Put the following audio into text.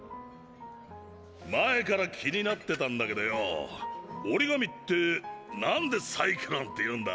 前から気になってたんだけどよぉ折紙ってなんでサイクロンっていうんだ？